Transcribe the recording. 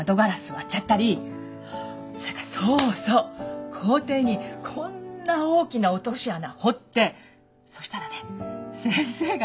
割っちゃったりそれからそうそう校庭にこんな大きな落とし穴掘ってそしたらね先生がね